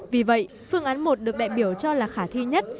vì vậy phương án một được đại biểu cho là khả thi nhất